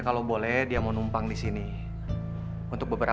saya mau pergi dulu ya